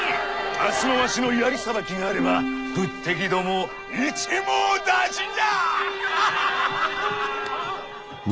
明日もわしの槍さばきがあれば仏敵どもを一網打尽じゃ！